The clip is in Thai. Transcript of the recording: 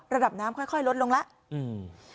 ระดับน้ำค่อยลดลงแล้ว